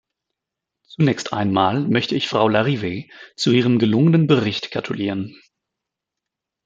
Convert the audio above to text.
Zunächst einmal möchte ich Frau Larive zu ihrem gelungenen Bericht gratulieren.